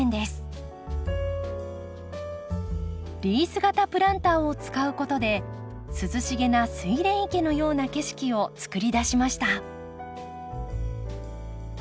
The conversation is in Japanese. リース型プランターを使うことで涼しげなスイレン池のような景色をつくり出しました。